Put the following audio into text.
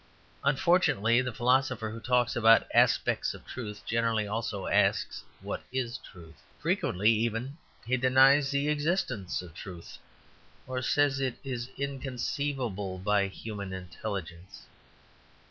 Unfortunately, the philosopher who talks about aspects of truth generally also asks, "What is truth?" Frequently even he denies the existence of truth, or says it is inconceivable by the human intelligence.